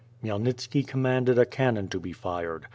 Khmyelnitski commanded a cannon to be fired.